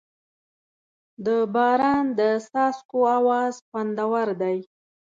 د باران د څاڅکو اواز خوندور دی.